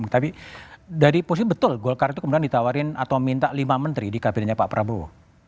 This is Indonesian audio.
tapi dari posisi betul golkar itu kemudian ditawarin atau minta lima menteri di kabinetnya pak prabowo